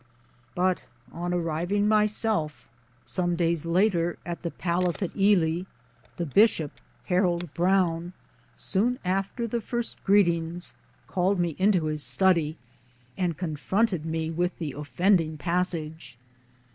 But on arriving myself somes 54 MY DAYS AND DREAMS days later at the Palace at Ely, the Bishop '(Harold Browne) soon after the first greetings called me into his study and confronted me with the offending passage.